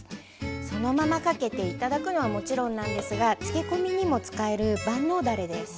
そのままかけて頂くのはもちろんなんですが漬け込みにも使える万能だれです。